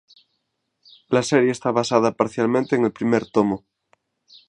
La serie está basada parcialmente en el primer tomo.